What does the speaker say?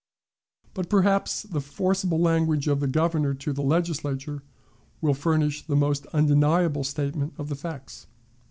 But, perhaps, the forcible language of the Governor to the Legislature will furnish the most undeniable statement of the facts.